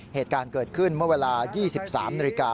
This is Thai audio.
เหตุการณ์เกิดขึ้นเมื่อเวลา๒๓นาฬิกา